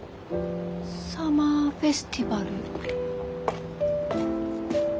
「サマーフェスティバル」？